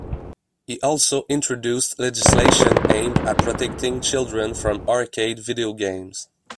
He also introduced legislation aimed at protecting children from arcade video games.